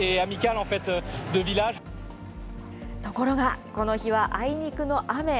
ところが、この日はあいにくの雨。